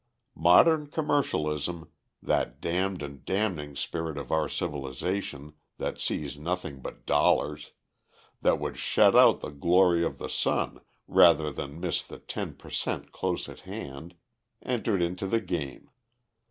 Modern commercialism, that damned and damning spirit of our civilization that sees nothing but dollars, that would shut out the glory of the sun rather than miss the ten cent piece close at hand, entered into the game.